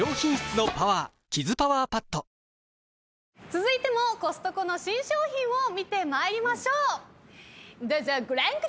続いてもコストコの新商品を見てまいりましょう。